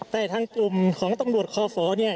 แต่ทางกลุ่มของตำรวจคอฝเนี่ย